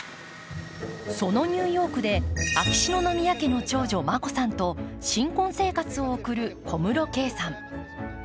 そのニューヨークで秋篠宮家の長女、眞子さんと新婚生活を送る小室圭さん。